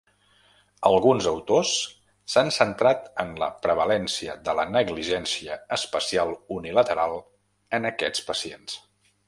Alguns autors s'han centrat en la prevalença de la negligència espacial unilateral en aquests pacients.